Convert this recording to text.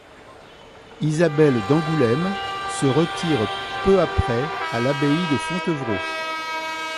Isabelle d'Angoulême se retire peu après à l'abbaye de Fontevraud.